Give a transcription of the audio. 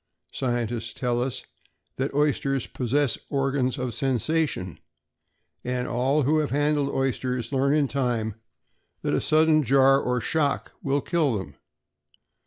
Scientists tell us that oysters possess organs of sensation, and all who have handled oysters learn in time that a sudden jar or shock will kill them.